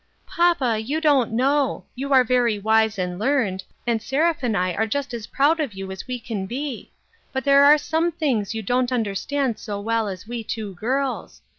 " Papa, you don't know ; you are very wise and learned, and Seraph and I are just as proud of you as we can be ; but there are some things you don't understand so well as we two girls.